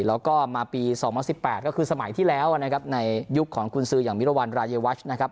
แล้วก็มาปี๒๐๑๘ก็คือสมัยที่แล้วนะครับในยุคของกุญซืออย่างมิรวรรณรายวัชนะครับ